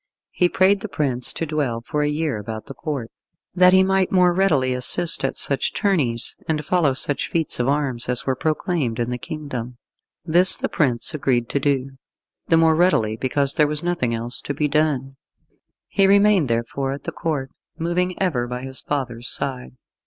He prayed the prince to dwell for a year about the Court, that he might the more readily assist at such tourneys and follow such feats of arms as were proclaimed in the kingdom. This the prince agreed to do the more readily because there was nothing else to be done. He remained therefore at the Court, moving ever by his father's side.